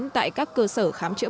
tại các cơ sở